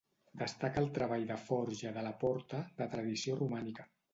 Destaca el treball de forja de la porta, de tradició romànica.